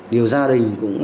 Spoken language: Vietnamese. điều gia đình cũng